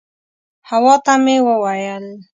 حوا ته مې وویل.